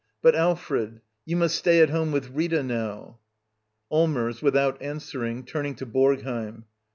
] But Alfred, you must . Wfay at home with Rita now. Allmers. [Without answering, turning to vBorgheim.